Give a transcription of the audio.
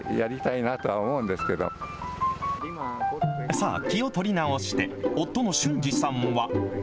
さあ、気を取り直して、夫の俊二さんは。